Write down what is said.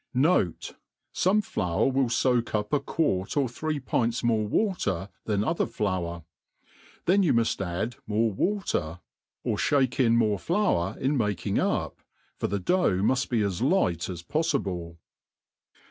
Note, Some flour will foak up a quart or three pints more water than other Spur ; then you muft »dd more waller, or (hake X 3 in 310 THE ART OF COOKERY in more flour in making up, for th( dough muft be as light as polSble.